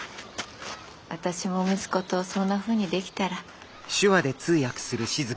私も息子とそんなふうにできたら。